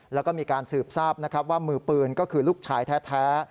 แล้วก็มีการสืบทราบนะครับว่ามือปืนก็คือลูกชายแท้